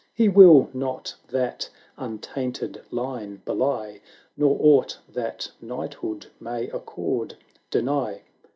He will not that untainted line belie, Nor aught that Knighthood may accord, deny."